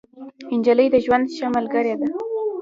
نجلۍ د ژوند ښه ملګرې ده.